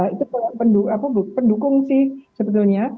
itu pendukung sih sebetulnya